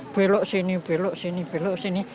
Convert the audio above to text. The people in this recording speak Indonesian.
belok sini belok sini belok sini